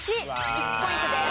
１ポイントです。